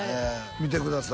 見てください